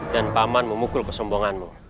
dan paman memukul kesombonganmu